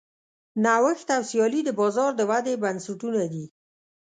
نوښت او سیالي د بازار د ودې بنسټونه دي.